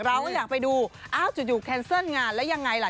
เราก็อยากไปดูอ้าวจู่แคนเซิลงานแล้วยังไงล่ะ